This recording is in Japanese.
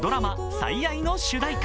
「最愛」の主題歌。